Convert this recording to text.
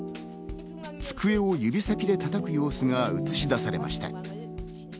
机を指先で叩く様子が映し出されました。